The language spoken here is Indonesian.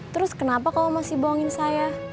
terus kenapa kamu masih bohongin saya